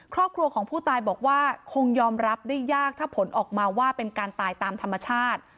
ครอบครัวของผู้ตายบอกว่าคงยอมรับได้ยากถ้าผลออกมาว่าเป็นการตายตามธรรมชาติ